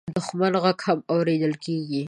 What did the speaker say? د دښمن غږ هم اورېدل کېږي.